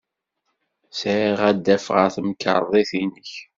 Sɛiɣ adaf ɣer temkarḍit-nnek.